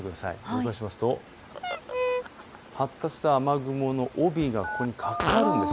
動かしますと、発達した雨雲の帯がここにかかるんです。